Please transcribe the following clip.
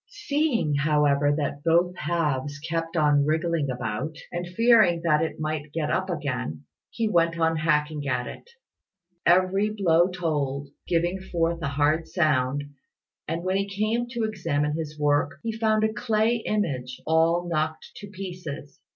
Seeing, however, that both halves kept on wriggling about, and fearing that it might get up again, he went on hacking at it. Every blow told, giving forth a hard sound, and when he came to examine his work, he found a clay image all knocked to pieces.